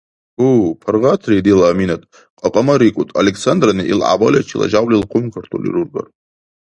Гьу, паргъатрии, дила Аминат, кьакьамарикӀуд, Александрани ил гӀябаличила жявлил хъумкартурли рургар.